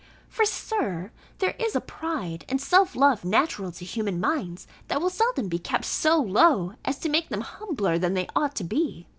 For, Sir, there is a pride and self love natural to human minds, that will seldom be kept so low, as to make them humbler than they ought to be.